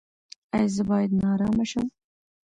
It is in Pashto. ایا زه باید نارامه شم؟